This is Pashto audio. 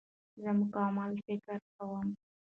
زه معقول فکر کوم.